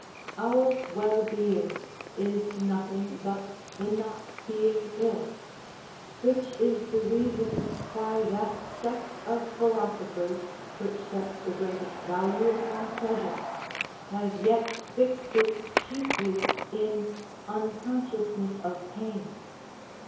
Our well being is nothing but the not being ill. Which is the reason why that sect of philosophers, which sets the greatest value upon pleasure, has yet fixed it chiefly in unconsciousness of pain.